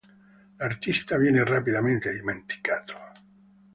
L'artista viene rapidamente dimenticato.